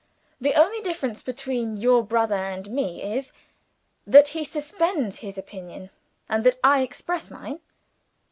"The only difference between your brother and me is, that he suspends his opinion, and that I express mine."